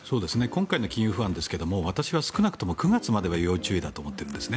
今回の金融不安ですが私は少なくとも９月までは要注意だと思っているんです。